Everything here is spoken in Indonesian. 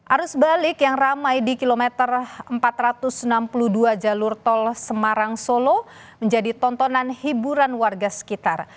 arus balik yang ramai di kilometer empat ratus enam puluh dua jalur tol semarang solo menjadi tontonan hiburan warga sekitar